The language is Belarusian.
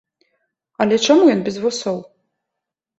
Але чаму ён без вусоў?